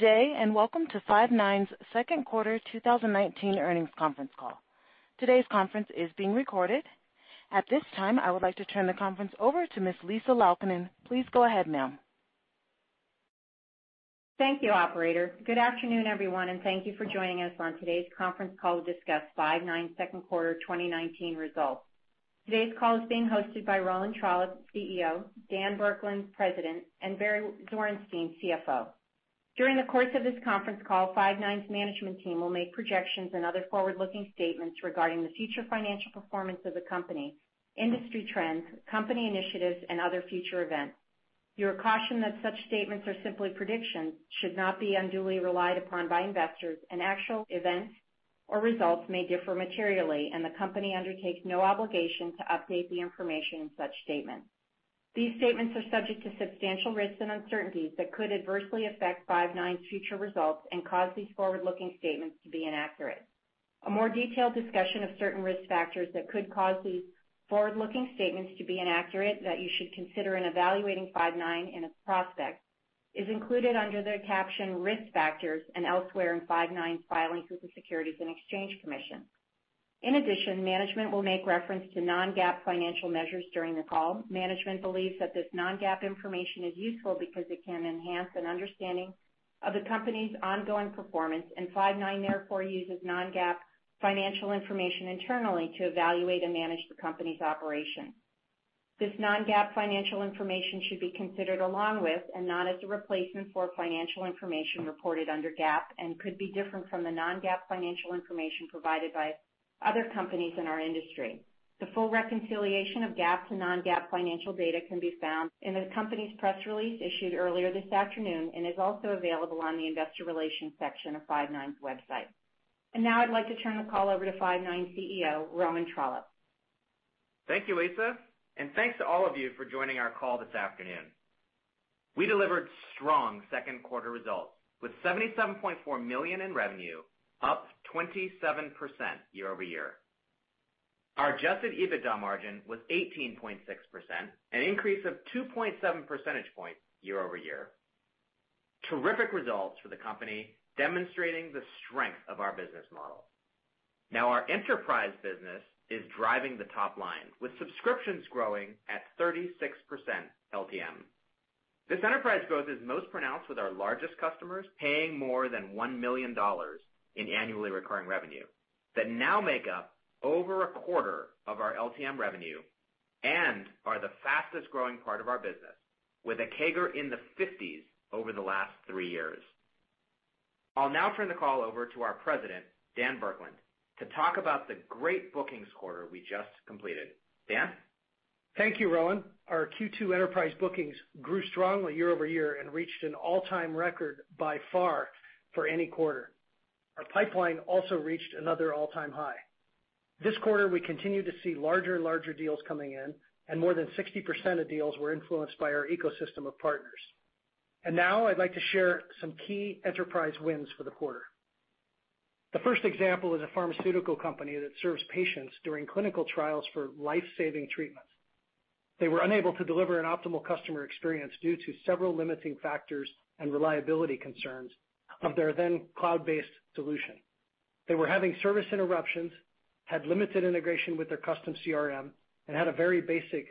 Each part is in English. Day. Welcome to Five9's second quarter 2019 earnings conference call. Today's conference is being recorded. At this time, I would like to turn the conference over to Ms. Lisa Liguori. Please go ahead, ma'am. Thank you, operator. Good afternoon, everyone, and thank you for joining us on today's conference call to discuss Five9's second quarter 2019 results. Today's call is being hosted by Rowan Trollope, CEO, Dan Burkland, President, and Barry Zwarenstein, CFO. During the course of this conference call, Five9's management team will make projections and other forward-looking statements regarding the future financial performance of the company, industry trends, company initiatives, and other future events. You are cautioned that such statements are simply predictions, should not be unduly relied upon by investors, and actual events or results may differ materially, and the company undertakes no obligation to update the information in such statements. These statements are subject to substantial risks and uncertainties that could adversely affect Five9's future results and cause these forward-looking statements to be inaccurate. A more detailed discussion of certain risk factors that could cause these forward-looking statements to be inaccurate that you should consider in evaluating Five9 in its prospects is included under the caption Risk Factors and elsewhere in Five9's filings with the Securities and Exchange Commission. In addition, management will make reference to non-GAAP financial measures during the call. Management believes that this non-GAAP information is useful because it can enhance an understanding of the company's ongoing performance, and Five9 therefore uses non-GAAP financial information internally to evaluate and manage the company's operations. This non-GAAP financial information should be considered along with, and not as a replacement for, financial information reported under GAAP and could be different from the non-GAAP financial information provided by other companies in our industry. The full reconciliation of GAAP to non-GAAP financial data can be found in the company's press release issued earlier this afternoon and is also available on the investor relations section of Five9's website. Now I'd like to turn the call over to Five9 CEO, Rowan Trollope. Thank you, Lisa. Thanks to all of you for joining our call this afternoon. We delivered strong second quarter results with $77.4 million in revenue, up 27% year-over-year. Our adjusted EBITDA margin was 18.6%, an increase of 2.7 percentage points year-over-year. Terrific results for the company, demonstrating the strength of our business model. Now our enterprise business is driving the top line, with subscriptions growing at 36% LTM. This enterprise growth is most pronounced with our largest customers, paying more than $1 million in annually recurring revenue that now make up over a quarter of our LTM revenue and are the fastest-growing part of our business, with a CAGR in the 50s over the last three years. I'll now turn the call over to our President, Dan Burkland, to talk about the great bookings quarter we just completed. Dan? Thank you, Rowan. Our Q2 enterprise bookings grew strongly year-over-year and reached an all-time record by far for any quarter. Our pipeline also reached another all-time high. This quarter, we continue to see larger and larger deals coming in, and more than 60% of deals were influenced by our ecosystem of partners. Now I'd like to share some key enterprise wins for the quarter. The first example is a pharmaceutical company that serves patients during clinical trials for life-saving treatments. They were unable to deliver an optimal customer experience due to several limiting factors and reliability concerns of their then cloud-based solution. They were having service interruptions, had limited integration with their custom CRM, and had a very basic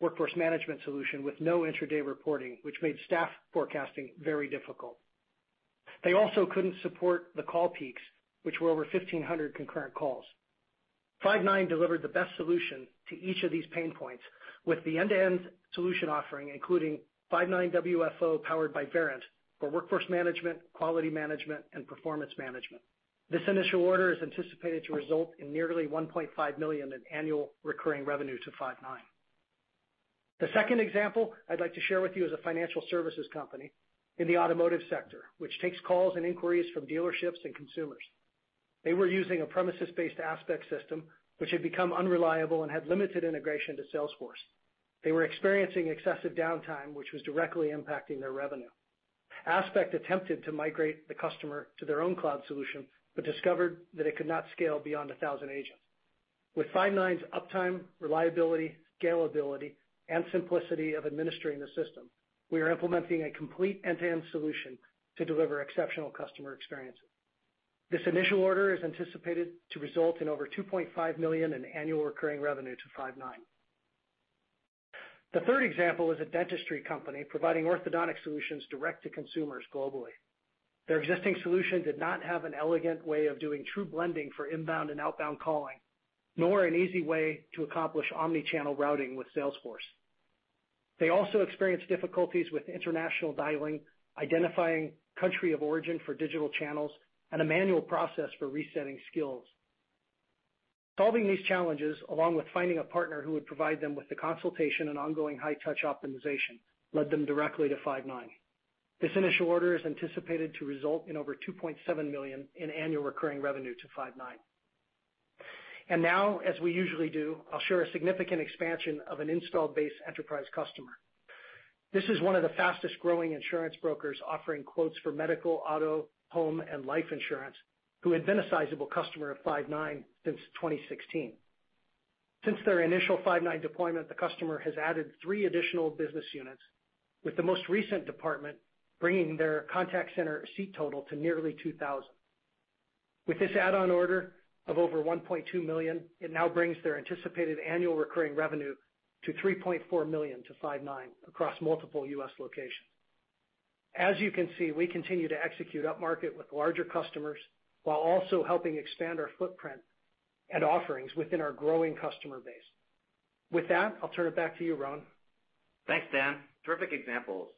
workforce management solution with no intraday reporting, which made staff forecasting very difficult. They also couldn't support the call peaks, which were over 1,500 concurrent calls. Five9 delivered the best solution to each of these pain points with the end-to-end solution offering, including Five9 WFO powered by Verint for workforce management, quality management, and performance management. This initial order is anticipated to result in nearly $1.5 million in annual recurring revenue to Five9. The second example I'd like to share with you is a financial services company in the automotive sector, which takes calls and inquiries from dealerships and consumers. They were using a premises-based Aspect system, which had become unreliable and had limited integration to Salesforce. They were experiencing excessive downtime, which was directly impacting their revenue. Aspect attempted to migrate the customer to their own cloud solution but discovered that it could not scale beyond 1,000 agents. With Five9's uptime, reliability, scalability, and simplicity of administering the system, we are implementing a complete end-to-end solution to deliver exceptional customer experiences. This initial order is anticipated to result in over $2.5 million in annual recurring revenue to Five9. The third example is a dentistry company providing orthodontic solutions direct to consumers globally. Their existing solution did not have an elegant way of doing true blending for inbound and outbound calling, nor an easy way to accomplish omni-channel routing with Salesforce. They also experienced difficulties with international dialing, identifying country of origin for digital channels, and a manual process for resetting skills. Solving these challenges, along with finding a partner who would provide them with the consultation and ongoing high-touch optimization, led them directly to Five9. This initial order is anticipated to result in over $2.7 million in annual recurring revenue to Five9. Now, as we usually do, I'll share a significant expansion of an installed base enterprise customer. This is one of the fastest-growing insurance brokers offering quotes for medical, auto, home, and life insurance, who had been a sizable customer of Five9 since 2016. Since their initial Five9 deployment, the customer has added three additional business units, with the most recent department bringing their contact center seat total to nearly 2,000. With this add-on order of over $1.2 million, it now brings their anticipated annual recurring revenue to $3.4 million to Five9 across multiple U.S. locations. As you can see, we continue to execute upmarket with larger customers while also helping expand our footprint and offerings within our growing customer base. With that, I'll turn it back to you, Rowan. Thanks, Dan. Terrific examples.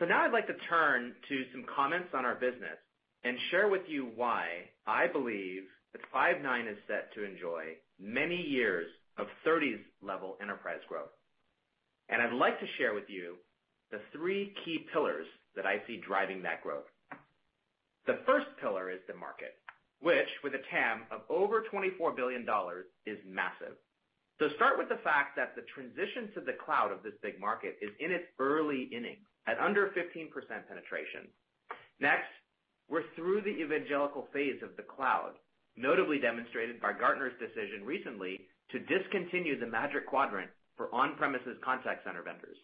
Now I'd like to turn to some comments on our business and share with you why I believe that Five9 is set to enjoy many years of '30s level enterprise growth. I'd like to share with you the three key pillars that I see driving that growth. The first pillar is the market, which with a TAM of over $24 billion, is massive. Start with the fact that the transition to the cloud of this big market is in its early innings, at under 15% penetration. Next, we're through the evangelical phase of the cloud, notably demonstrated by Gartner's decision recently to discontinue the Magic Quadrant for on-premises contact center vendors.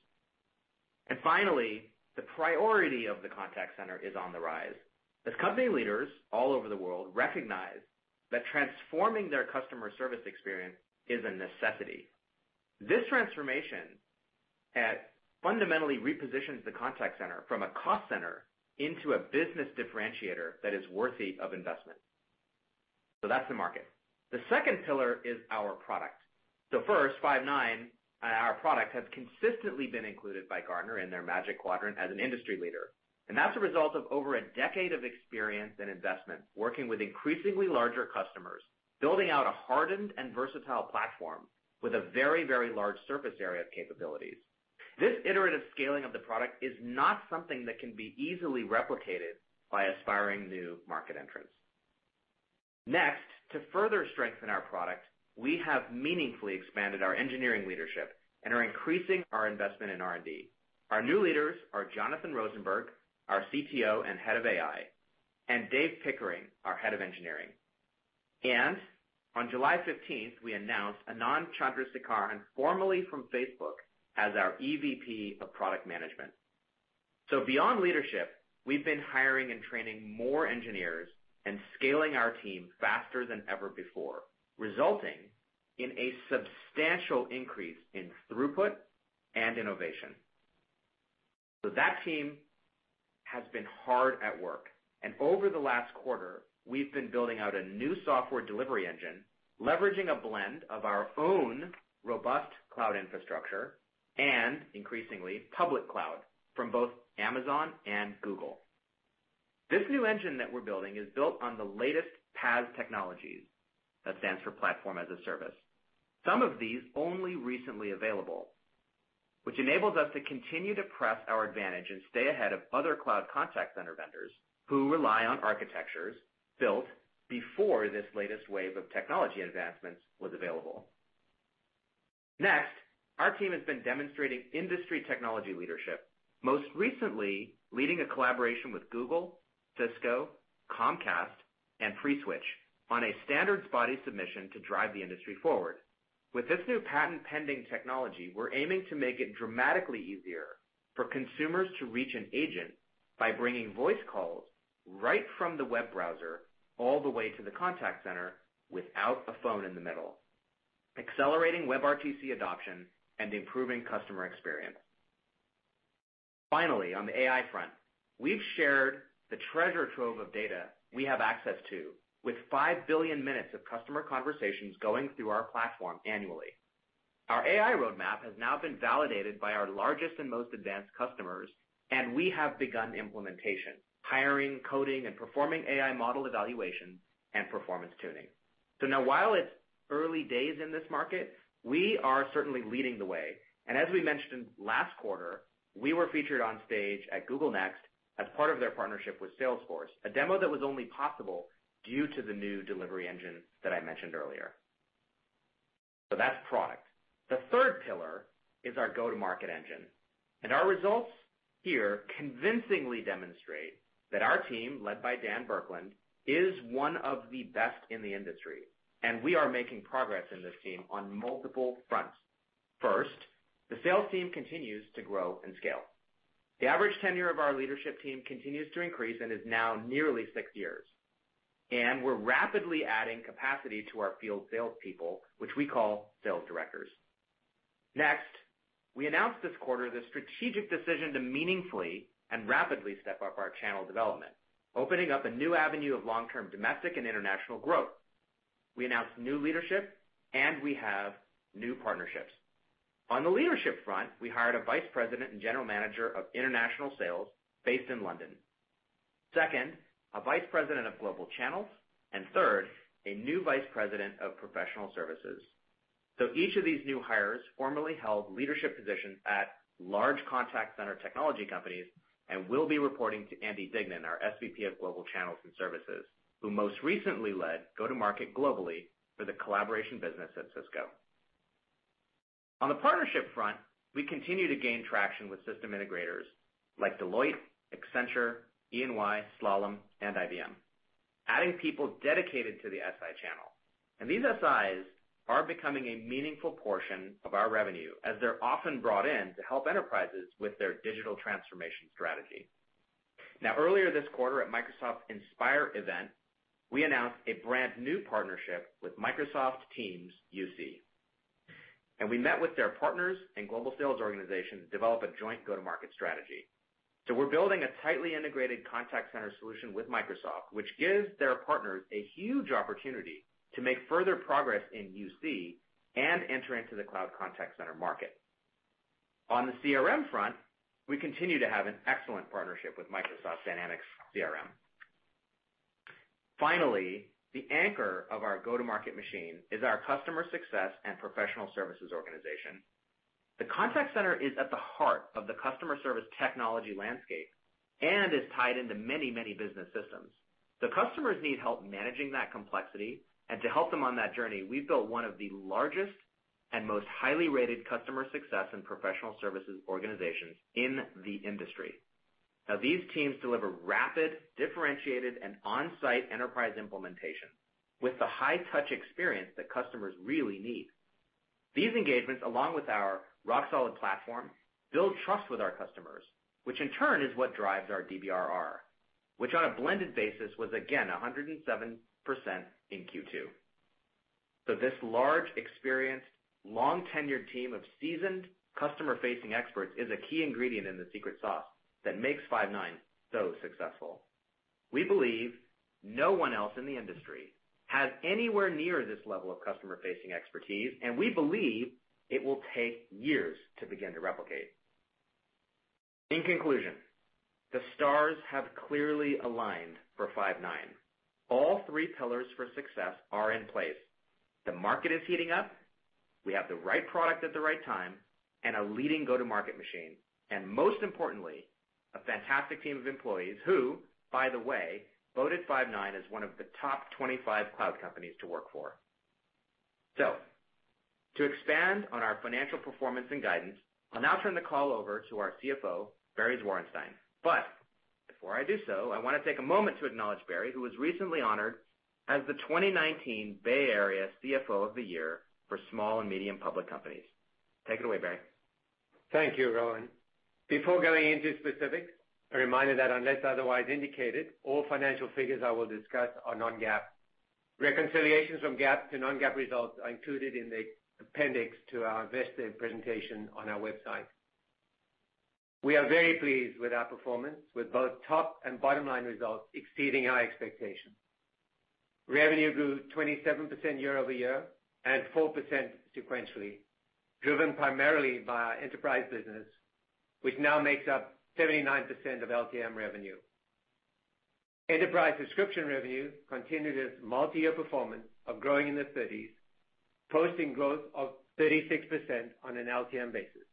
Finally, the priority of the contact center is on the rise, as company leaders all over the world recognize that transforming their customer service experience is a necessity. This transformation fundamentally repositions the contact center from a cost center into a business differentiator that is worthy of investment. That's the market. The second pillar is our product. First, Five9 and our product has consistently been included by Gartner in their Magic Quadrant as an industry leader. That's a result of over a decade of experience and investment, working with increasingly larger customers, building out a hardened and versatile platform with a very large surface area of capabilities. This iterative scaling of the product is not something that can be easily replicated by aspiring new market entrants. Next, to further strengthen our product, we have meaningfully expanded our engineering leadership and are increasing our investment in R&D. Our new leaders are Jonathan Rosenberg, our CTO and head of AI, and Dave Pickering, our head of engineering. On July 15th, we announced Anand Chandrasekaran, formerly from Facebook, as our EVP of Product Management. Beyond leadership, we've been hiring and training more engineers and scaling our team faster than ever before, resulting in a substantial increase in throughput and innovation. That team has been hard at work, and over the last quarter, we've been building out a new software delivery engine, leveraging a blend of our own robust cloud infrastructure and increasingly public cloud from both Amazon and Google. This new engine that we're building is built on the latest PaaS technologies. That stands for platform as a service. Some of these only recently available, which enables us to continue to press our advantage and stay ahead of other cloud contact center vendors who rely on architectures built before this latest wave of technology advancements was available. Our team has been demonstrating industry technology leadership, most recently leading a collaboration with Google, Cisco, Comcast, and FreeSWITCH on a standards body submission to drive the industry forward. With this new patent-pending technology, we're aiming to make it dramatically easier for consumers to reach an agent by bringing voice calls right from the web browser all the way to the contact center without a phone in the middle, accelerating WebRTC adoption and improving customer experience. On the AI front, we've shared the treasure trove of data we have access to, with 5 billion minutes of customer conversations going through our platform annually. Our AI roadmap has now been validated by our largest and most advanced customers, and we have begun implementation, hiring, coding, and performing AI model evaluation and performance tuning. While it's early days in this market, we are certainly leading the way. As we mentioned last quarter, we were featured on stage at Google Cloud Next as part of their partnership with Salesforce, a demo that was only possible due to the new delivery engine that I mentioned earlier. That's product. The third pillar is our go-to-market engine, and our results here convincingly demonstrate that our team, led by Dan Burkland, is one of the best in the industry, and we are making progress in this team on multiple fronts. First, the sales team continues to grow and scale. The average tenure of our leadership team continues to increase and is now nearly six years. We're rapidly adding capacity to our field salespeople, which we call sales directors. Next, we announced this quarter the strategic decision to meaningfully and rapidly step up our channel development, opening up a new avenue of long-term domestic and international growth. We announced new leadership and we have new partnerships. On the leadership front, we hired a vice president and general manager of international sales based in London. Second, a vice president of global channels. Third, a new vice president of professional services. Each of these new hires formerly held leadership positions at large contact center technology companies and will be reporting to Andy Dignan, our SVP of global channels and services, who most recently led go-to-market globally for the collaboration business at Cisco. On the partnership front, we continue to gain traction with system integrators like Deloitte, Accenture, EY, Slalom, and IBM, adding people dedicated to the SI channel. These SIs are becoming a meaningful portion of our revenue as they're often brought in to help enterprises with their digital transformation strategy. Earlier this quarter at Microsoft Inspire event, we announced a brand-new partnership with Microsoft Teams UC. We met with their partners and global sales organization to develop a joint go-to-market strategy. We're building a tightly integrated contact center solution with Microsoft, which gives their partners a huge opportunity to make further progress in UC and enter into the cloud contact center market. On the CRM front, we continue to have an excellent partnership with Microsoft Dynamics CRM. Finally, the anchor of our go-to-market machine is our customer success and professional services organization. The contact center is at the heart of the customer service technology landscape and is tied into many business systems. The customers need help managing that complexity, and to help them on that journey, we've built one of the largest and most highly rated customer success and professional services organizations in the industry. These teams deliver rapid, differentiated, and on-site enterprise implementation with the high touch experience that customers really need. These engagements, along with our rock-solid platform, build trust with our customers, which in turn is what drives our DBRR, which on a blended basis was again 107% in Q2. This large experience, long tenured team of seasoned customer-facing experts is a key ingredient in the secret sauce that makes Five9 so successful. We believe no one else in the industry has anywhere near this level of customer-facing expertise, and we believe it will take years to begin to replicate. In conclusion, the stars have clearly aligned for Five9. All three pillars for success are in place. The market is heating up. We have the right product at the right time and a leading go-to-market machine, and most importantly, a fantastic team of employees who, by the way, voted Five9 as one of the top 25 cloud companies to work for. To expand on our financial performance and guidance, I'll now turn the call over to our CFO, Barry Zwarenstein. Before I do so, I want to take a moment to acknowledge Barry, who was recently honored as the 2019 Bay Area CFO of the Year for small and medium public companies. Take it away, Barry. Thank you, Rowan. Before going into specifics, a reminder that unless otherwise indicated, all financial figures I will discuss are non-GAAP. Reconciliations from GAAP to non-GAAP results are included in the appendix to our investor presentation on our website. We are very pleased with our performance, with both top and bottom-line results exceeding our expectations. Revenue grew 27% year-over-year and 4% sequentially, driven primarily by our enterprise business, which now makes up 79% of LTM revenue. Enterprise subscription revenue continued its multi-year performance of growing in the 30s, posting growth of 36% on an LTM basis.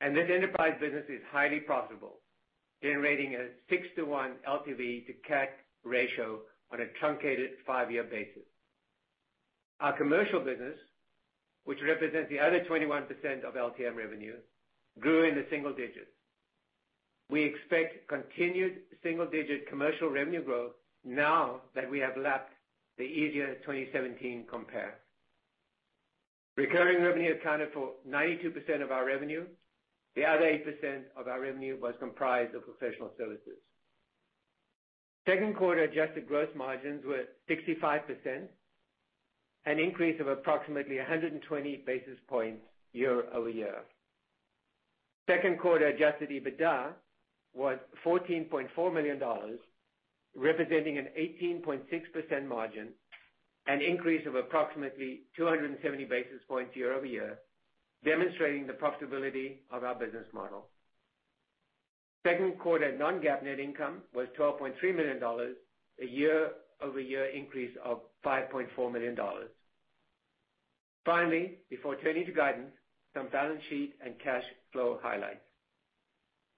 This enterprise business is highly profitable, generating a 6 to 1 LTV to CAC ratio on a truncated five-year basis. Our commercial business, which represents the other 21% of LTM revenue, grew in the single digits. We expect continued single-digit commercial revenue growth now that we have lapped the easier 2017 compare. Recurring revenue accounted for 92% of our revenue. The other 8% of our revenue was comprised of professional services. Second quarter adjusted gross margins were 65%, an increase of approximately 120 basis points year-over-year. Second quarter adjusted EBITDA was $14.4 million, representing an 18.6% margin, an increase of approximately 270 basis points year-over-year, demonstrating the profitability of our business model. Second quarter non-GAAP net income was $12.3 million, a year-over-year increase of $5.4 million. Finally, before turning to guidance, some balance sheet and cash flow highlights.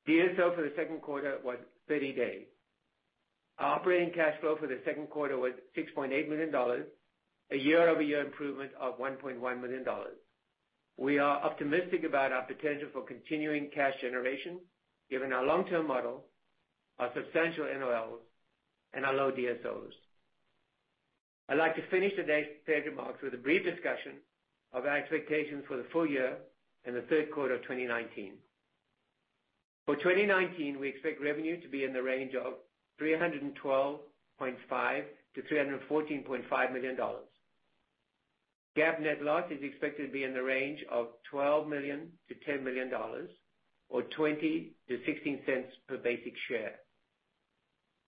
DSO for the second quarter was 30 days. Our operating cash flow for the second quarter was $6.8 million, a year-over-year improvement of $1.1 million. We are optimistic about our potential for continuing cash generation, given our long-term model, our substantial NOLs, and our low DSOs. I'd like to finish today's prepared remarks with a brief discussion of our expectations for the full year and the third quarter of 2019. For 2019, we expect revenue to be in the range of $312.5 million-$314.5 million. GAAP net loss is expected to be in the range of $12 million-$10 million, or $0.20-$0.16 per basic share.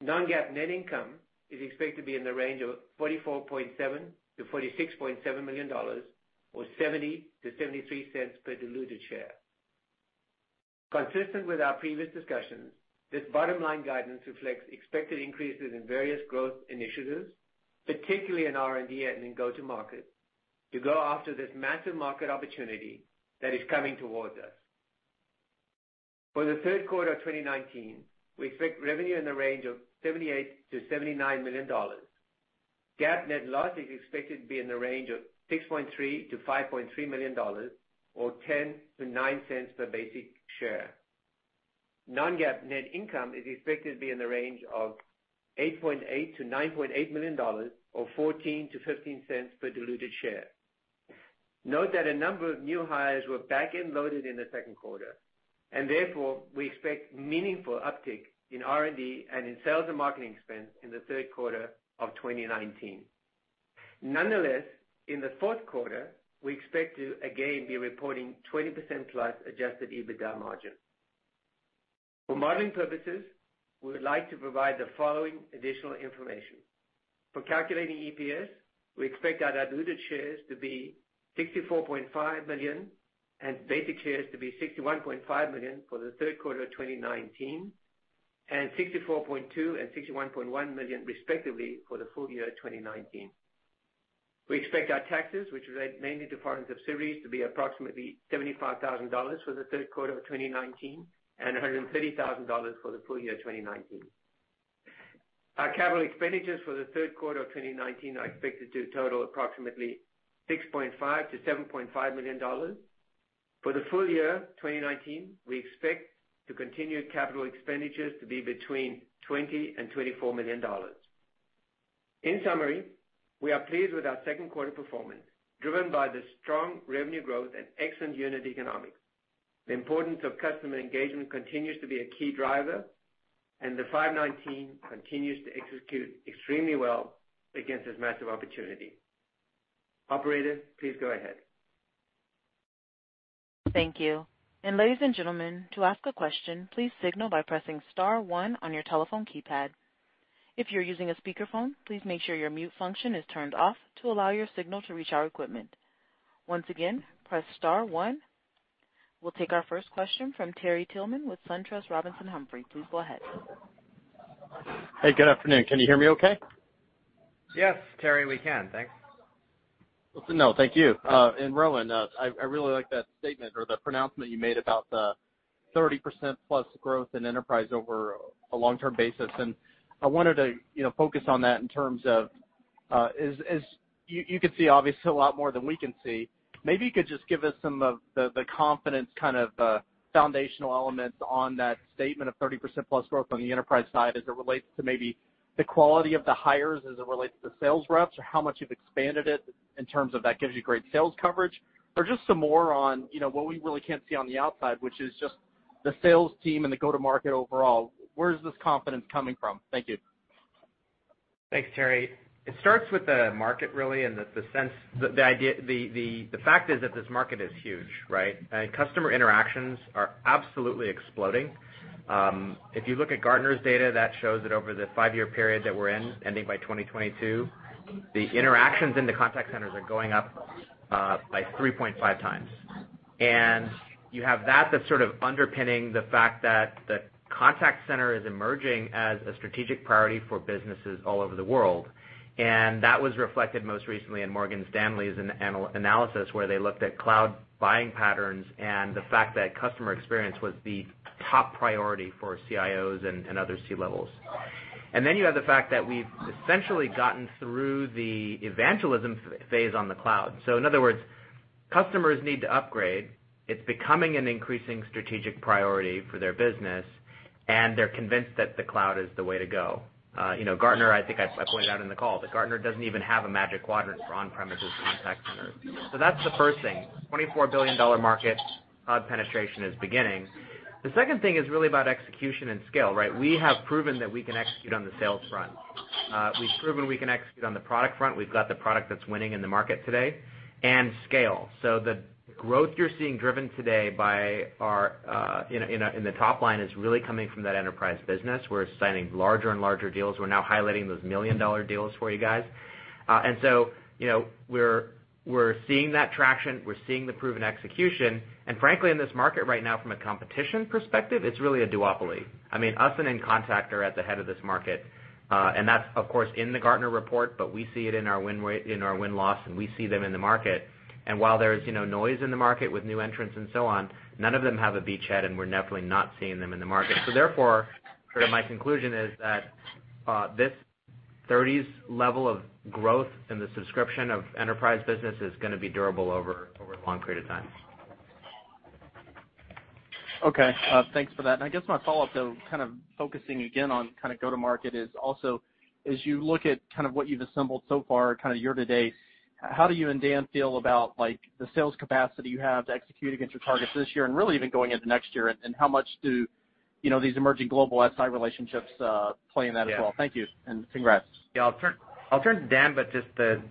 Non-GAAP net income is expected to be in the range of $44.7 million-$46.7 million, or $0.70-$0.73 per diluted share. Consistent with our previous discussions, this bottom-line guidance reflects expected increases in various growth initiatives, particularly in R&D and in go-to-market, to go after this massive market opportunity that is coming towards us. For the third quarter of 2019, we expect revenue in the range of $78 million to $79 million. GAAP net loss is expected to be in the range of $6.3 million to $5.3 million or $0.10 to $0.09 per basic share. Non-GAAP net income is expected to be in the range of $8.8 million to $9.8 million or $0.14 to $0.15 per diluted share. Note that a number of new hires were back-end loaded in the second quarter, and therefore, we expect meaningful uptick in R&D and in sales and marketing spend in the third quarter of 2019. Nonetheless, in the fourth quarter, we expect to again be reporting 20%+ adjusted EBITDA margin. For modeling purposes, we would like to provide the following additional information. For calculating EPS, we expect our diluted shares to be 64.5 million and basic shares to be 61.5 million for the third quarter of 2019, and 64.2 million and 61.1 million respectively for the full year 2019. We expect our taxes, which relate mainly to foreign subsidiaries, to be approximately $75,000 for the third quarter of 2019 and $130,000 for the full year 2019. Our capital expenditures for the third quarter of 2019 are expected to total approximately $6.5 million-$7.5 million. For the full year 2019, we expect to continue capital expenditures to be between $20 million and $24 million. In summary, we are pleased with our second quarter performance, driven by the strong revenue growth and excellent unit economics. The importance of customer engagement continues to be a key driver, and Five9 continues to execute extremely well against this massive opportunity. Operator, please go ahead. Thank you. Ladies and gentlemen, to ask a question, please signal by pressing *1 on your telephone keypad. If you're using a speakerphone, please make sure your mute function is turned off to allow your signal to reach our equipment. Once again, press *1. We'll take our first question from Terrell Tillman with SunTrust Robinson Humphrey. Please go ahead. Hey, good afternoon. Can you hear me okay? Yes, Terry, we can. Thanks. No, thank you. Rowan, I really like that statement or the pronouncement you made about the 30% plus growth in enterprise over a long-term basis, and I wanted to focus on that in terms of, you could see obviously a lot more than we can see. Maybe you could just give us some of the confidence foundational elements on that statement of 30% plus growth on the enterprise side as it relates to maybe the quality of the hires as it relates to sales reps, or how much you've expanded it in terms of that gives you great sales coverage. Just some more on what we really can't see on the outside, which is just the sales team and the go-to-market overall. Where is this confidence coming from? Thank you. Thanks, Terry. It starts with the market, really. The fact is that this market is huge, right? Customer interactions are absolutely exploding. If you look at Gartner's data, that shows that over the five-year period that we're in, ending by 2022, the interactions in the contact centers are going up by 3.5 times. You have that's sort of underpinning the fact that the contact center is emerging as a strategic priority for businesses all over the world. That was reflected most recently in Morgan Stanley's analysis, where they looked at cloud buying patterns and the fact that customer experience was the top priority for CIOs and other C-levels. You have the fact that we've essentially gotten through the evangelism phase on the cloud. In other words, customers need to upgrade. It's becoming an increasing strategic priority for their business, and they're convinced that the cloud is the way to go. Gartner, I think I pointed out in the call that Gartner doesn't even have a Magic Quadrant for on-premises contact centers. That's the first thing, $24 billion market, cloud penetration is beginning. The second thing is really about execution and scale, right? We have proven that we can execute on the sales front. We've proven we can execute on the product front. We've got the product that's winning in the market today and scale. The growth you're seeing driven today in the top line is really coming from that enterprise business. We're signing larger and larger deals. We're now highlighting those $1 million deals for you guys. We're seeing that traction. We're seeing the proven execution. Frankly, in this market right now from a competition perspective, it's really a duopoly. Us and inContact are at the head of this market. That's, of course, in the Gartner report, but we see it in our win-loss, and we see them in the market. While there's noise in the market with new entrants and so on, none of them have a beachhead, and we're definitely not seeing them in the market. Therefore, my conclusion is that this 30s level of growth in the subscription of enterprise business is going to be durable over a long period of time. Okay. Thanks for that. I guess my follow-up, though, kind of focusing again on go-to-market is also as you look at what you've assembled so far year to date, how do you and Dan feel about the sales capacity you have to execute against your targets this year and really even going into next year, and how much do these emerging global SI relationships play in that as well? Yeah. Thank you. Congrats. Yeah, I'll turn to Dan, but just the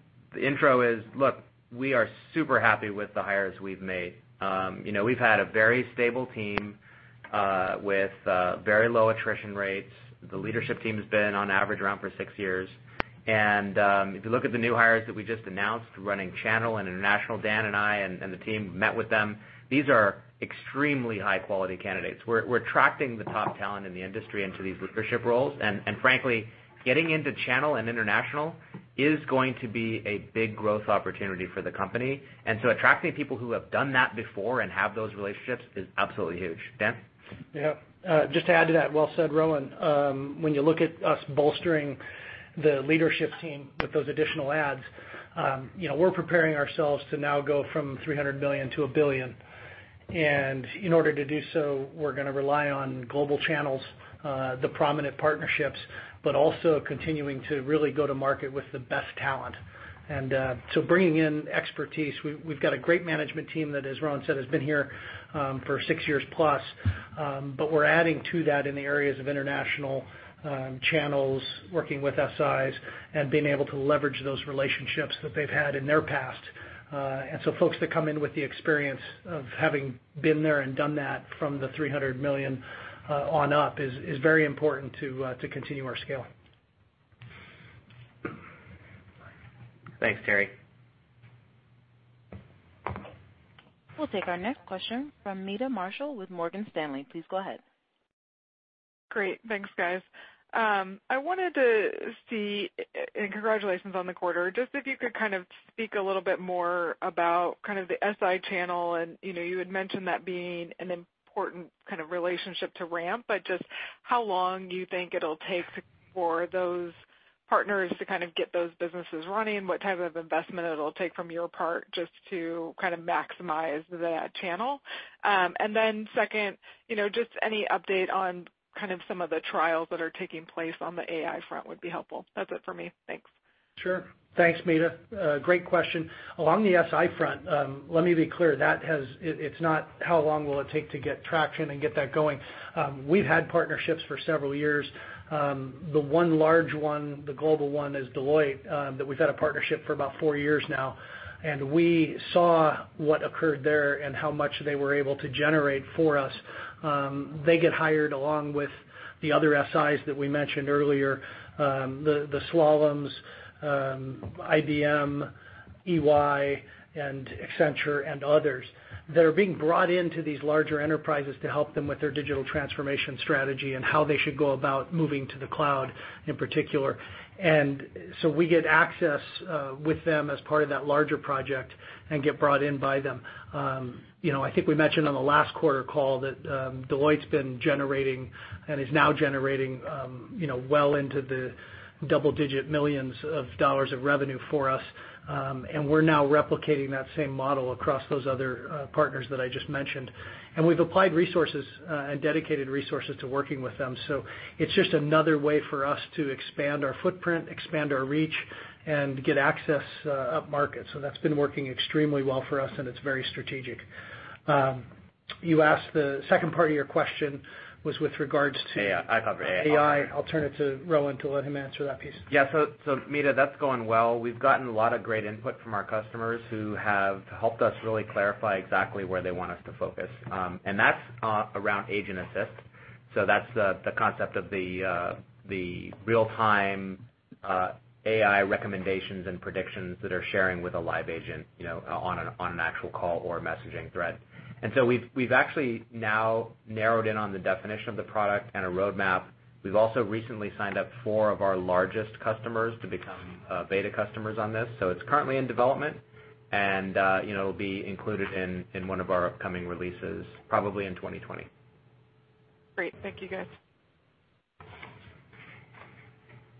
intro is, look, we are super happy with the hires we've made. We've had a very stable team with very low attrition rates. The leadership team's been on average around for six years. If you look at the new hires that we just announced running channel and international, Dan and I and the team met with them. These are extremely high-quality candidates. We're attracting the top talent in the industry into these leadership roles. Frankly, getting into channel and international is going to be a big growth opportunity for the company. Attracting people who have done that before and have those relationships is absolutely huge. Dan? Just to add to that, well said, Rowan. When you look at us bolstering the leadership team with those additional adds, we're preparing ourselves to now go from $300 million to $1 billion. In order to do so, we're going to rely on global channels, the prominent partnerships, but also continuing to really go to market with the best talent. Bringing in expertise, we've got a great management team that, as Rowan said, has been here for six years plus. We're adding to that in the areas of international channels, working with SIs and being able to leverage those relationships that they've had in their past. Folks that come in with the experience of having been there and done that from the $300 million on up is very important to continue our scaling. Thanks, Terry. We'll take our next question from Meta Marshall with Morgan Stanley. Please go ahead. Great. Thanks, guys. Congratulations on the quarter. Just if you could kind of speak a little bit more about kind of the SI channel and you had mentioned that being an important kind of relationship to ramp, but just how long do you think it'll take for those partners to kind of get those businesses running? What type of investment it'll take from your part just to kind of maximize that channel? Second, just any update on kind of some of the trials that are taking place on the AI front would be helpful. That's it for me. Thanks. Sure. Thanks, Meta. Great question. Along the SI front, let me be clear, it's not how long will it take to get traction and get that going. We've had partnerships for several years. The one large one, the global one is Deloitte, that we've had a partnership for about four years now, and we saw what occurred there and how much they were able to generate for us. They get hired along with the other SIs that we mentioned earlier, the Slaloms, IBM, EY, and Accenture and others, that are being brought into these larger enterprises to help them with their digital transformation strategy and how they should go about moving to the cloud in particular. We get access with them as part of that larger project and get brought in by them. I think we mentioned on the last quarter call that Deloitte's been generating and is now generating well into the double-digit millions of dollars of revenue for us. We're now replicating that same model across those other partners that I just mentioned. We've applied resources and dedicated resources to working with them. It's just another way for us to expand our footprint, expand our reach, and get access up market. That's been working extremely well for us, and it's very strategic. You asked the second part of your question was with regards to- AI AI. I'll turn it to Rowan to let him answer that piece. Yeah. Meta, that's going well. We've gotten a lot of great input from our customers who have helped us really clarify exactly where they want us to focus. That's around agent assist. That's the concept of the real-time AI recommendations and predictions that are sharing with a live agent on an actual call or messaging thread. We've actually now narrowed in on the definition of the product and a roadmap. We've also recently signed up four of our largest customers to become beta customers on this. It's currently in development and it'll be included in one of our upcoming releases, probably in 2020. Great. Thank you, guys.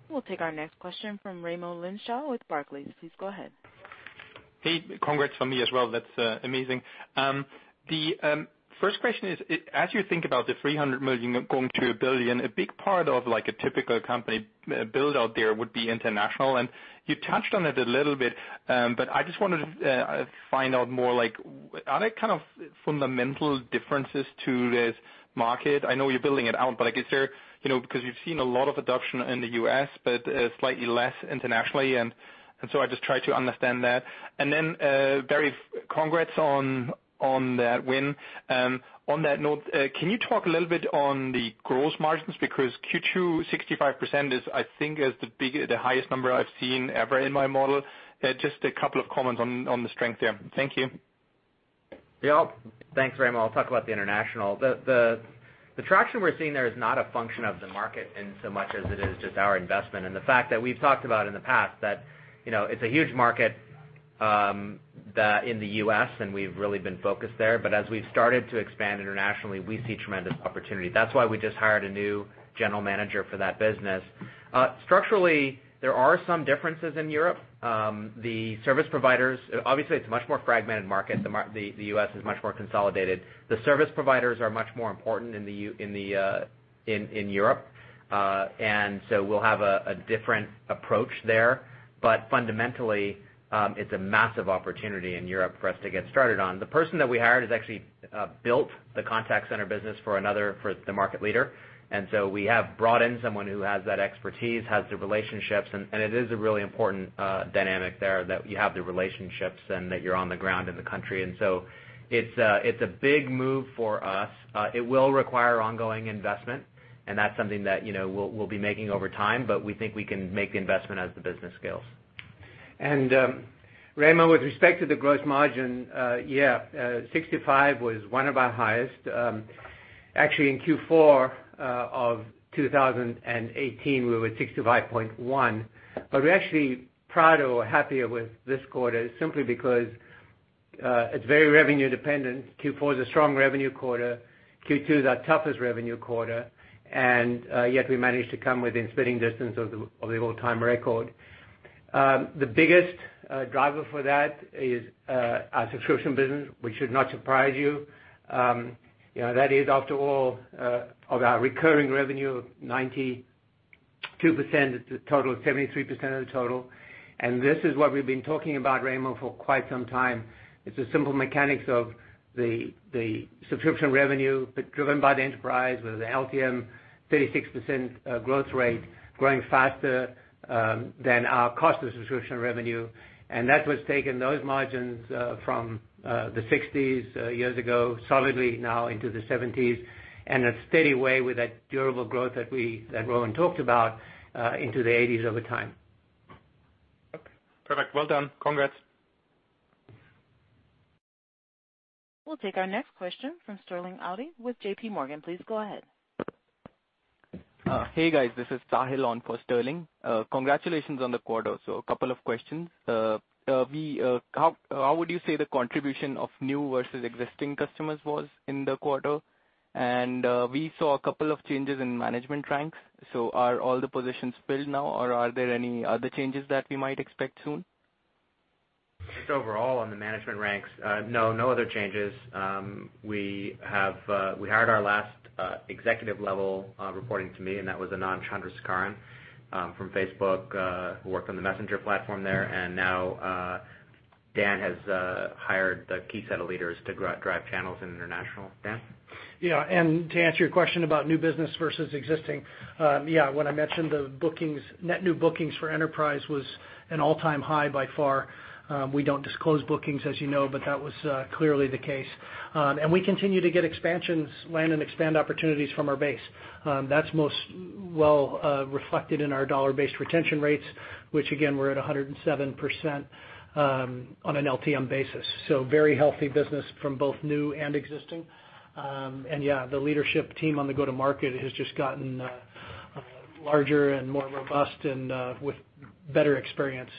We'll take our next question from Raimo Lenschow with Barclays. Please go ahead. Hey, congrats from me as well. That's amazing. The first question is, as you think about the $300 million going to $1 billion, a big part of a typical company build out there would be international. You touched on it a little bit, but I just wanted to find out more, like, are there kind of fundamental differences to this market? I know you're building it out, but is there, because you've seen a lot of adoption in the U.S., but slightly less internationally. I just try to understand that. Very congrats on that win. On that note, can you talk a little bit on the gross margins because Q2 65% is, I think, is the highest number I've seen ever in my model. Just a couple of comments on the strength there. Thank you. Yep. Thanks, Raimo. I'll talk about the international. The traction we're seeing there is not a function of the market in so much as it is just our investment and the fact that we've talked about in the past that it's a huge market in the U.S. and we've really been focused there. As we've started to expand internationally, we see tremendous opportunity. That's why we just hired a new general manager for that business. Structurally, there are some differences in Europe. Obviously, it's a much more fragmented market. The U.S. is much more consolidated. The service providers are much more important in Europe. We'll have a different approach there. Fundamentally, it's a massive opportunity in Europe for us to get started on. The person that we hired has actually built the contact center business for the market leader, and so we have brought in someone who has that expertise, has the relationships, and it is a really important dynamic there that you have the relationships and that you're on the ground in the country. It's a big move for us. It will require ongoing investment, and that's something that we'll be making over time, but we think we can make the investment as the business scales. Raimo, with respect to the gross margin, yeah, 65 was one of our highest. Actually, in Q4 2018, we were 65.1. We're actually prouder or happier with this quarter simply because it's very revenue dependent. Q4 is a strong revenue quarter. Q2 is our toughest revenue quarter, and yet we managed to come within spitting distance of the all-time record. The biggest driver for that is our subscription business, which should not surprise you. That is, after all, of our recurring revenue, 92% is the total, 73% of the total. This is what we've been talking about, Raimo, for quite some time. It's the simple mechanics of the subscription revenue driven by the enterprise with the LTM 36% growth rate growing faster than our cost of subscription revenue. That was taken those margins from the 60s years ago solidly now into the 70s, and a steady way with that durable growth that Rowan talked about into the 80s over time. Okay, perfect. Well done. Congrats. We'll take our next question from Sterling Auty with J.P. Morgan. Please go ahead. Hey, guys. This is Sahil on for Sterling Auty. Congratulations on the quarter. A couple of questions. How would you say the contribution of new versus existing customers was in the quarter? We saw a couple of changes in management ranks. Are all the positions filled now, or are there any other changes that we might expect soon? Just overall on the management ranks, no other changes. We hired our last executive level reporting to me. That was Anand Chandrasekaran from Facebook, who worked on the Messenger platform there. Now Dan has hired the key set of leaders to drive channels in international. Dan? Yeah. To answer your question about new business versus existing, yeah, when I mentioned the net new bookings for enterprise was an all-time high by far. We don't disclose bookings, as you know, but that was clearly the case. We continue to get expansions, land and expand opportunities from our base. That's most well reflected in our dollar-based retention rates, which again, we're at 107% on an LTM basis. Very healthy business from both new and existing. Yeah, the leadership team on the go-to-market has just gotten larger and more robust and with better experience.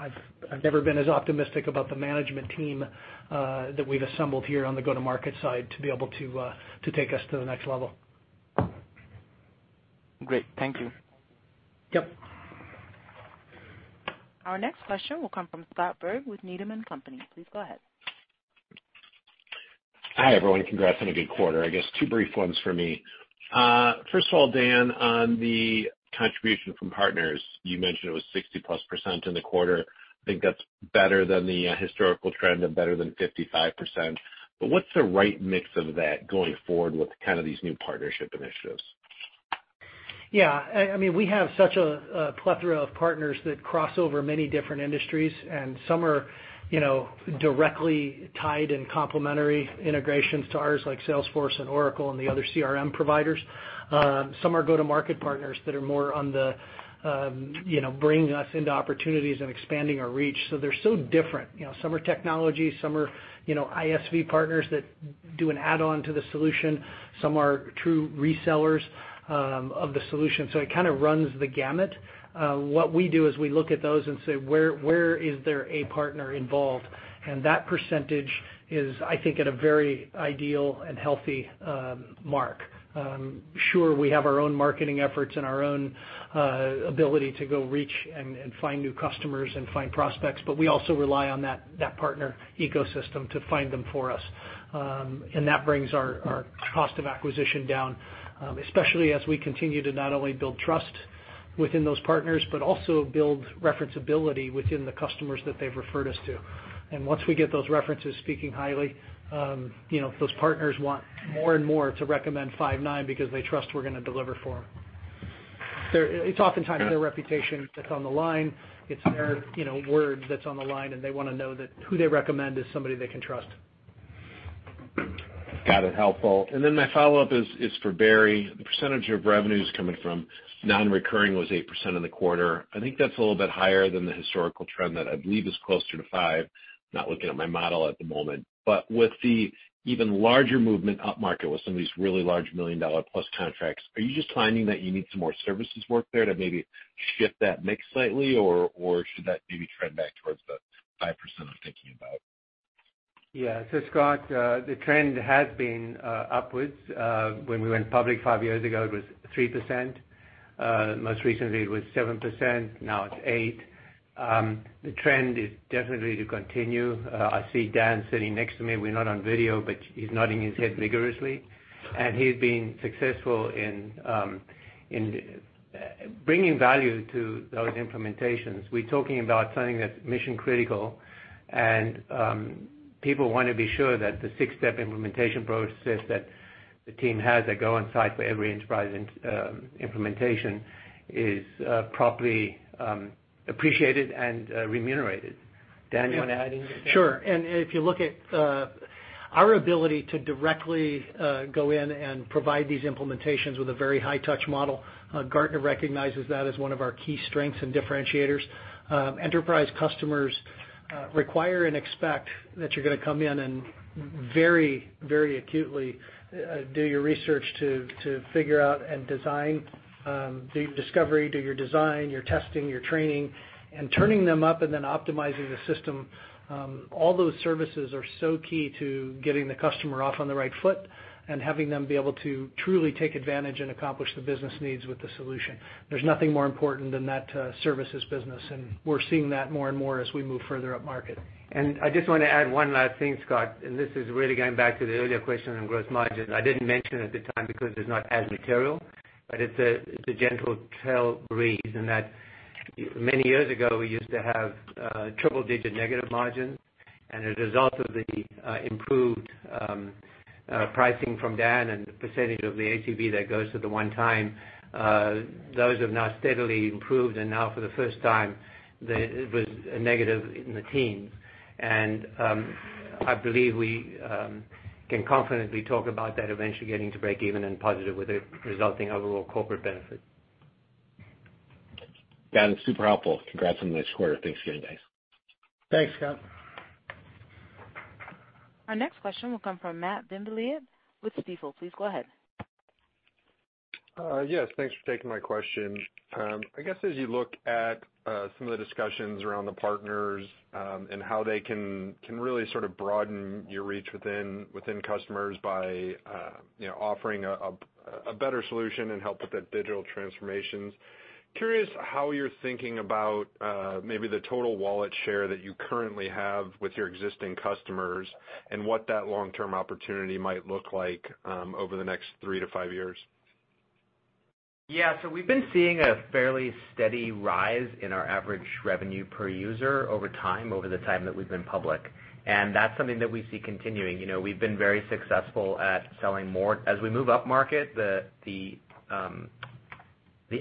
I've never been as optimistic about the management team that we've assembled here on the go-to-market side to be able to take us to the next level. Great. Thank you. Yep. Our next question will come from Scott Berg with Needham & Company. Please go ahead. Hi, everyone. Congrats on a good quarter. I guess two brief ones for me. First of all, Dan, on the contribution from partners, you mentioned it was 60+% in the quarter. I think that's better than the historical trend of better than 55%. What's the right mix of that going forward with kind of these new partnership initiatives? Yeah. We have such a plethora of partners that cross over many different industries. Some are directly tied in complementary integrations to ours, like Salesforce and Oracle and the other CRM providers. Some are go-to-market partners that are more on the bringing us into opportunities and expanding our reach. They're so different. Some are technology, some are ISV partners that do an add-on to the solution. Some are true resellers of the solution. It kind of runs the gamut. What we do is we look at those and say, "Where is there a partner involved?" That percentage is, I think, at a very ideal and healthy mark. Sure, we have our own marketing efforts and our own ability to go reach and find new customers and find prospects, but we also rely on that partner ecosystem to find them for us. That brings our cost of acquisition down, especially as we continue to not only build trust within those partners, but also build reference ability within the customers that they've referred us to. Once we get those references speaking highly, those partners want more and more to recommend Five9 because they trust we're going to deliver for them. It's oftentimes their reputation that's on the line. It's their word that's on the line, and they want to know that who they recommend is somebody they can trust. Got it. Helpful. My follow-up is for Barry. The percentage of revenues coming from non-recurring was 8% in the quarter. I think that's a little bit higher than the historical trend that I believe is closer to 5%, not looking at my model at the moment. With the even larger movement upmarket with some of these really large million-dollar-plus contracts, are you just finding that you need some more services work there to maybe shift that mix slightly, or should that maybe trend back towards the 5% I'm thinking about? Yeah. Scott, the trend has been upwards. When we went public five years ago, it was 3%. Most recently it was 7%, now it's 8%. The trend is definitely to continue. I see Dan sitting next to me. We're not on video, but he's nodding his head vigorously, and he's been successful in bringing value to those implementations. We're talking about something that's mission-critical, and people want to be sure that the 6-step implementation process that the team has that go on-site for every enterprise implementation is properly appreciated and remunerated. Dan, you want to add anything? Sure. Our ability to directly go in and provide these implementations with a very high touch model, Gartner recognizes that as one of our key strengths and differentiators. Enterprise customers require and expect that you're going to come in and very acutely do your research to figure out and design, do your discovery, do your design, your testing, your training, turning them up and then optimizing the system. All those services are so key to getting the customer off on the right foot and having them be able to truly take advantage and accomplish the business needs with the solution. There's nothing more important than that services business, we're seeing that more and more as we move further up market. I just want to add one last thing, Scott, this is really going back to the earlier question on gross margins. I didn't mention at the time because it's not as material, but it's a gentle tell breeze in that many years ago, we used to have triple-digit negative margins. A result of the improved pricing from Dan and the percentage of the ACV that goes to the one time, those have now steadily improved. Now for the first time, it was a negative in the teens. I believe we can confidently talk about that eventually getting to breakeven and positive with a resulting overall corporate benefit. Dan, super helpful. Congrats on this quarter. Thanks again, guys. Thanks, Scott. Our next question will come from Matt VanVliet with Stifel. Please go ahead. Yes, thanks for taking my question. I guess as you look at some of the discussions around the partners, and how they can really sort of broaden your reach within customers by offering a better solution and help with the digital transformations, curious how you're thinking about maybe the total wallet share that you currently have with your existing customers and what that long-term opportunity might look like over the next three to five years. Yeah. We've been seeing a fairly steady rise in our average revenue per user over time, over the time that we've been public. That's something that we see continuing. We've been very successful at selling more. As we move up market, the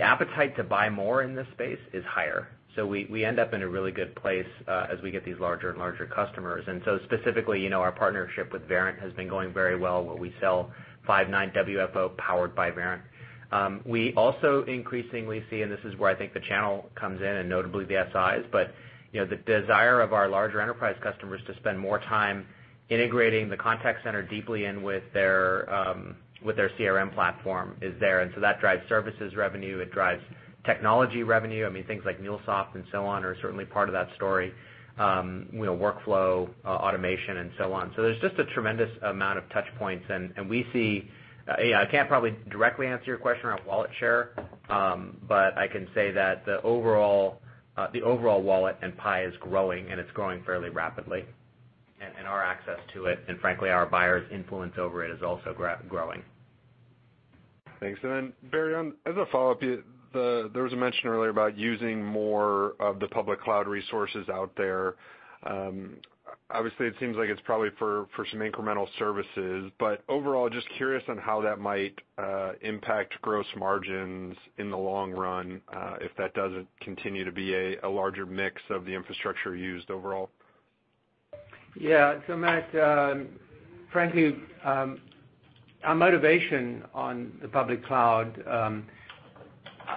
appetite to buy more in this space is higher. We end up in a really good place as we get these larger and larger customers. Specifically, our partnership with Verint has been going very well, where we sell Five9 WFO powered by Verint. We also increasingly see, and this is where I think the channel comes in and notably the SIs, but the desire of our larger enterprise customers to spend more time integrating the contact center deeply in with their CRM platform is there. That drives services revenue, it drives technology revenue. Things like MuleSoft and so on are certainly part of that story. Workflow automation and so on. There's just a tremendous amount of touch points, and we see I can't probably directly answer your question around wallet share, but I can say that the overall wallet and pie is growing, and it's growing fairly rapidly. Our access to it, and frankly, our buyers' influence over it is also growing. Thanks. Barry, as a follow-up, there was a mention earlier about using more of the public cloud resources out there. Obviously, it seems like it's probably for some incremental services, overall, just curious on how that might impact gross margins in the long run, if that doesn't continue to be a larger mix of the infrastructure used overall. Yeah. Matt, frankly, our motivation on the public cloud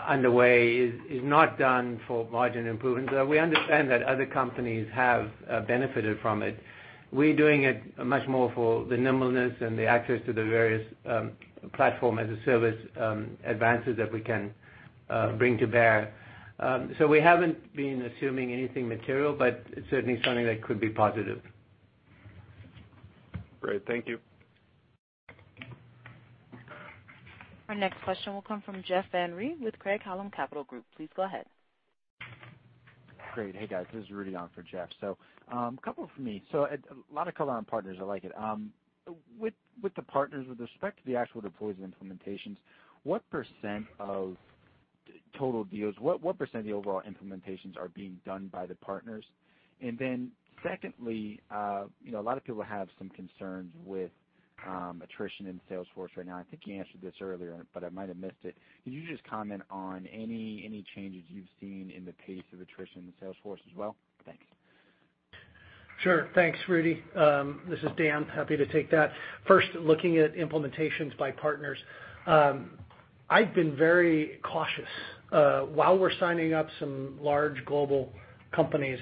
underway is not done for margin improvements, though we understand that other companies have benefited from it. We're doing it much more for the nimbleness and the access to the various Platform as a Service advances that we can bring to bear. We haven't been assuming anything material, but it's certainly something that could be positive. Great. Thank you. Our next question will come from Jeff Van Rhee with Craig-Hallum Capital Group. Please go ahead. Great. Hey, guys, this is Rudy on for Jeff. Couple from me. A lot of color on partners. I like it. With the partners, with respect to the actual deploys and implementations, what % of the overall implementations are being done by the partners? Secondly, a lot of people have some concerns with attrition in Salesforce right now. I think you answered this earlier, but I might have missed it. Could you just comment on any changes you've seen in the pace of attrition in Salesforce as well? Thanks. Sure. Thanks, Rudy. This is Dan. Happy to take that. Looking at implementations by partners. I've been very cautious. While we're signing up some large global companies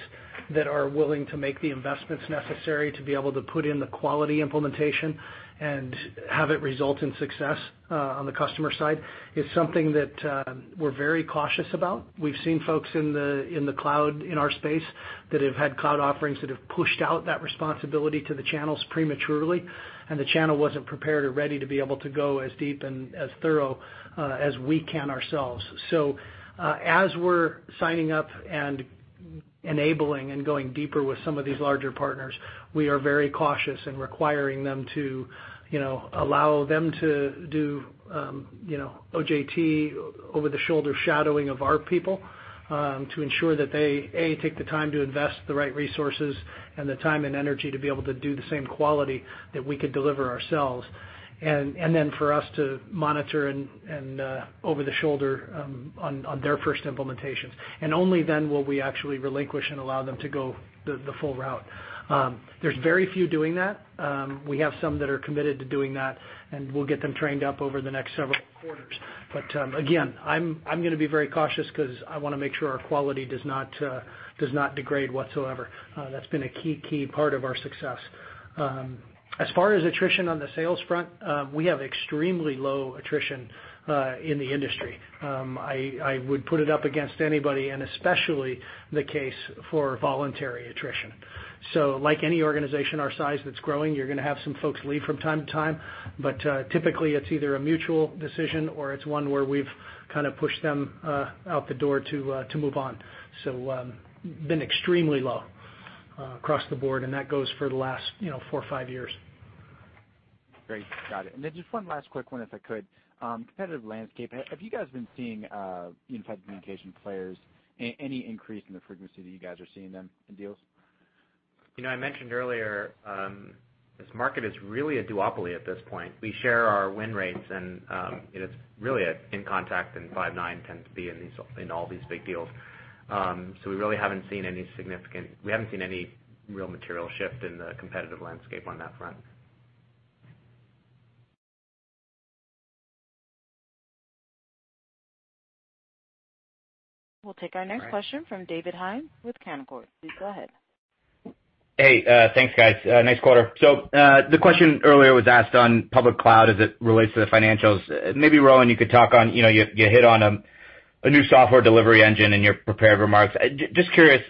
that are willing to make the investments necessary to be able to put in the quality implementation and have it result in success on the customer side, it's something that we're very cautious about. We've seen folks in the cloud, in our space that have had cloud offerings that have pushed out that responsibility to the channels prematurely, and the channel wasn't prepared or ready to be able to go as deep and as thorough as we can ourselves. As we're signing up and enabling and going deeper with some of these larger partners, we are very cautious in requiring them to allow them to do OJT over-the-shoulder shadowing of our people to ensure that they, A, take the time to invest the right resources and the time and energy to be able to do the same quality that we could deliver ourselves. For us to monitor and over-the-shoulder on their first implementations. Only then will we actually relinquish and allow them to go the full route. There's very few doing that. We have some that are committed to doing that, and we'll get them trained up over the next several quarters. Again, I'm going to be very cautious because I want to make sure our quality does not degrade whatsoever. That's been a key part of our success. As far as attrition on the sales front, we have extremely low attrition in the industry. I would put it up against anybody, especially the case for voluntary attrition. Like any organization our size that's growing, you're going to have some folks leave from time to time. Typically, it's either a mutual decision or it's one where we've kind of pushed them out the door to move on. Been extremely low across the board, and that goes for the last four or five years. Great. Got it. Just one last quick one, if I could. Competitive landscape. Have you guys been seeing Unified Communications players, any increase in the frequency that you guys are seeing them in deals? I mentioned earlier, this market is really a duopoly at this point. We share our win rates, and it is really inContact and Five9 tend to be in all these big deals. We really haven't seen any real material shift in the competitive landscape on that front. We'll take our next question from David Hynes with Canaccord. Please go ahead. Hey, thanks, guys. Nice quarter. The question earlier was asked on public cloud as it relates to the financials. Maybe, Rowan, you could talk on, you hit on a new software delivery engine in your prepared remarks. Just curious,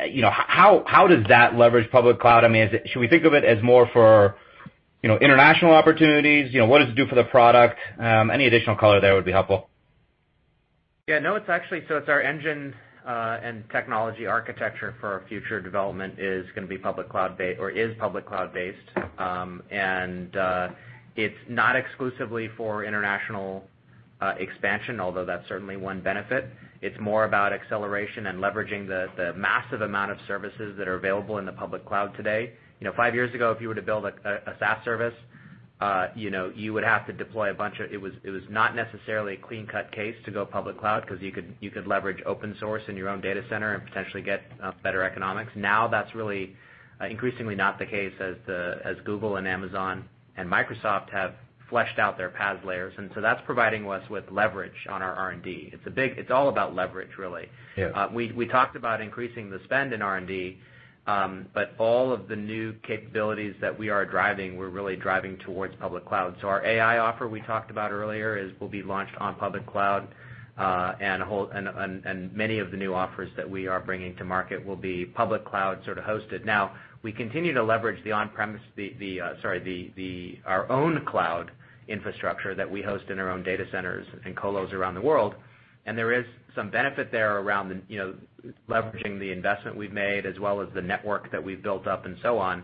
how does that leverage public cloud? Should we think of it as more for international opportunities? What does it do for the product? Any additional color there would be helpful. Yeah, no, it's actually our engine and technology architecture for our future development is going to be public cloud-based or is public cloud-based. It's not exclusively for international expansion, although that's certainly one benefit. It's more about acceleration and leveraging the massive amount of services that are available in the public cloud today. Five years ago, if you were to build a SaaS service, you would have to deploy. It was not necessarily a clean-cut case to go public cloud because you could leverage open source in your own data center and potentially get better economics. That's really increasingly not the case as Google and Amazon and Microsoft have fleshed out their PaaS layers. That's providing us with leverage on our R&D. It's all about leverage, really. Yeah. We talked about increasing the spend in R&D, all of the new capabilities that we are driving, we're really driving towards public cloud. Our AI offer we talked about earlier will be launched on public cloud, many of the new offers that we are bringing to market will be public cloud sort of hosted. Now, we continue to leverage our own cloud infrastructure that we host in our own data centers and colos around the world. There is some benefit there around leveraging the investment we've made as well as the network that we've built up and so on.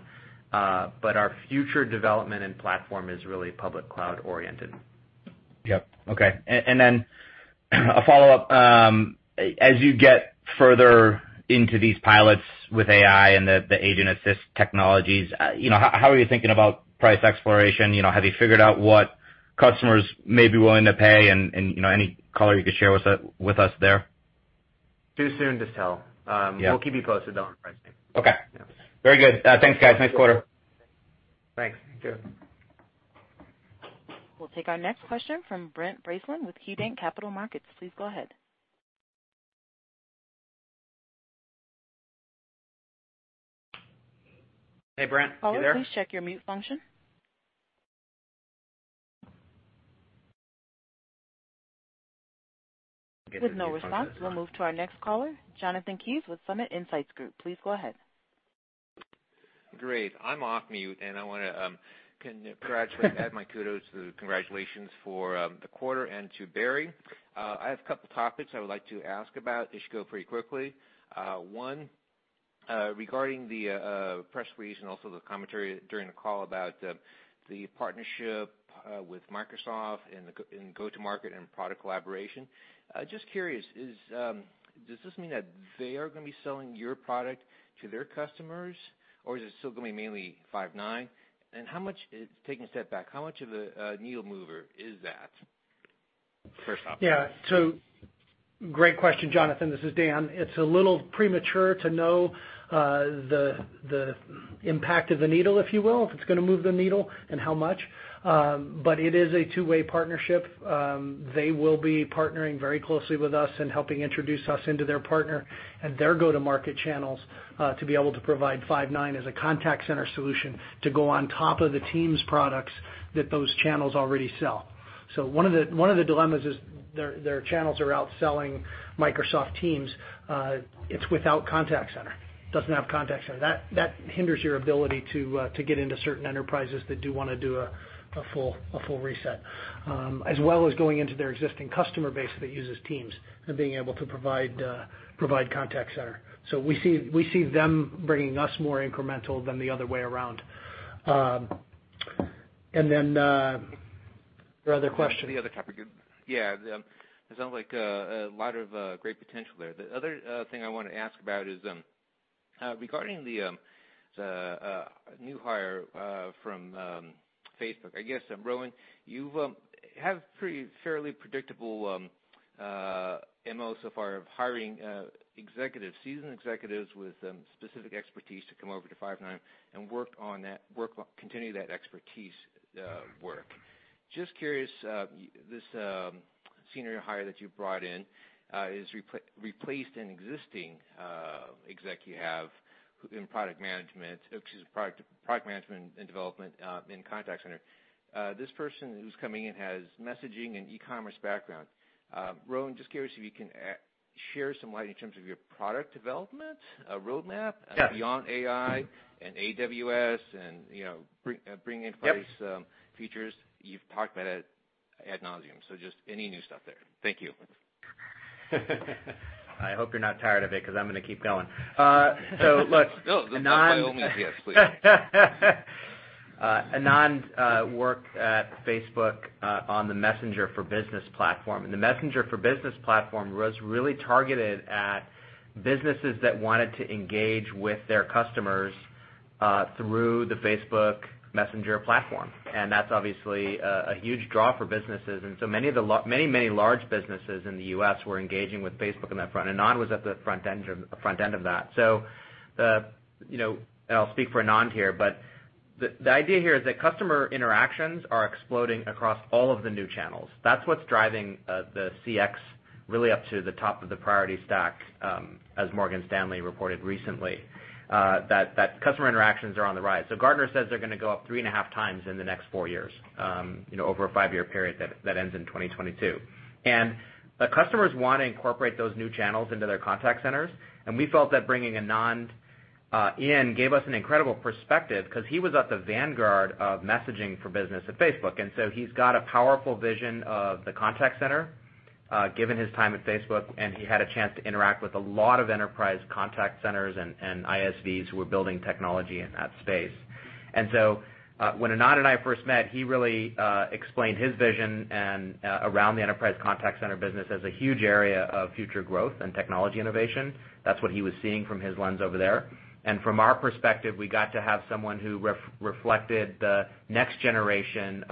Our future development and platform is really public cloud-oriented. Yep. Okay. A follow-up. As you get further into these pilots with AI and the agent assist technologies, how are you thinking about price exploration? Have you figured out what customers may be willing to pay, and any color you could share with us there? Too soon to tell. Yeah. We'll keep you posted though on pricing. Okay. Yeah. Very good. Thanks, guys. Nice quarter. Thanks. You too. We'll take our next question from Brent Bracelin with KeyBanc Capital Markets. Please go ahead. Hey, Brent. You there? Caller, please check your mute function. With no response, we'll move to our next caller, Jonathan Kees with Summit Insights Group. Please go ahead. Great. I'm off mute. I want to gradually add my kudos to the congratulations for the quarter and to Barry Zwarenstein. I have a couple topics I would like to ask about. They should go pretty quickly. One, regarding the press release and also the commentary during the call about the partnership with Microsoft in go-to-market and product collaboration. Just curious, does this mean that they are going to be selling your product to their customers, or is it still going to be mainly Five9? Taking a step back, how much of a needle mover is that, first off? Yeah. Great question, Jonathan. This is Dan. It's a little premature to know the impact of the needle, if you will, if it's going to move the needle and how much. It is a two-way partnership. They will be partnering very closely with us and helping introduce us into their partner and their go-to-market channels to be able to provide Five9 as a contact center solution to go on top of the Teams products that those channels already sell. One of the dilemmas is their channels are out selling Microsoft Teams. It's without contact center. Doesn't have contact center. That hinders your ability to get into certain enterprises that do want to do a full reset, as well as going into their existing customer base that uses Teams and being able to provide contact center. We see them bringing us more incremental than the other way around. Then, your other question. The other topic. Yeah. It sounds like a lot of great potential there. The other thing I want to ask about is, regarding the new hire from Facebook. I guess, Rowan, you have pretty fairly predictable MO so far of hiring executives, seasoned executives with specific expertise to come over to Five9 and continue that expertise work. Just curious, this senior hire that you brought in has replaced an existing exec you have in product management and development in contact center. This person who's coming in has messaging and e-commerce background. Rowan, just curious if you can share some light in terms of your product development, roadmap- Yeah Beyond AI and AWS and bring in place. Yep features you've talked about ad nauseam. Just any new stuff there? Thank you. I hope you're not tired of it, because I'm going to keep going. No. By all means, yes, please. Anand worked at Facebook on the Messenger for Business platform, and the Messenger for Business platform was really targeted at businesses that wanted to engage with their customers through the Facebook Messenger platform. That's obviously a huge draw for businesses, and so many large businesses in the U.S. were engaging with Facebook on that front, and Anand was at the front end of that. I'll speak for Anand here, but the idea here is that customer interactions are exploding across all of the new channels. That's what's driving the CX really up to the top of the priority stack, as Morgan Stanley reported recently, that customer interactions are on the rise. Gartner says they're going to go up three and a half times in the next four years, over a five-year period that ends in 2022. The customers want to incorporate those new channels into their contact centers, and we felt that bringing Anand in gave us an incredible perspective because he was at the vanguard of messaging for business at Facebook. He's got a powerful vision of the contact center, given his time at Facebook, and he had a chance to interact with a lot of enterprise contact centers and ISVs who were building technology in that space. When Anand and I first met, he really explained his vision around the enterprise contact center business as a huge area of future growth and technology innovation. That's what he was seeing from his lens over there. From our perspective, we got to have someone who reflected the next generation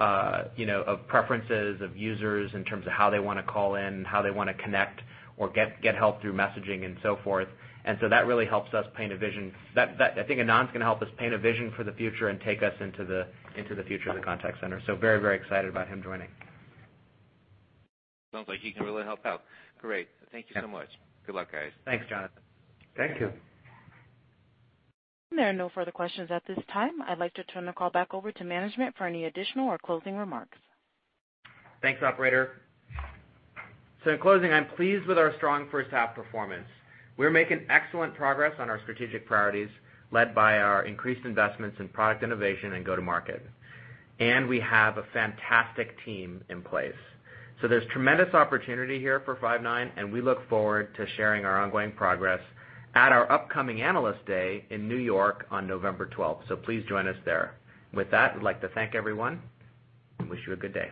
of preferences, of users in terms of how they want to call in, how they want to connect or get help through messaging and so forth. That really helps us paint a vision. I think Anand's going to help us paint a vision for the future and take us into the future of the contact center. Very, very excited about him joining. Sounds like he can really help out. Great. Thank you so much. Yeah. Good luck, guys. Thanks, Jonathan. Thank you. There are no further questions at this time. I'd like to turn the call back over to management for any additional or closing remarks. Thanks, operator. In closing, I'm pleased with our strong first half performance. We're making excellent progress on our strategic priorities, led by our increased investments in product innovation and go-to-market. We have a fantastic team in place. There's tremendous opportunity here for Five9, and we look forward to sharing our ongoing progress at our upcoming Analyst Day in New York on November 12th. Please join us there. With that, we'd like to thank everyone and wish you a good day.